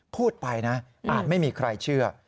พูดไปนะอาจไม่มีใครเชื่อ